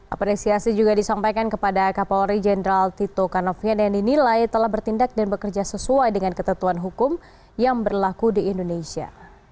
apresiasi juga disampaikan kepada kapolri jenderal tito karnavian yang dinilai telah bertindak dan bekerja sesuai dengan ketentuan hukum yang berlaku di indonesia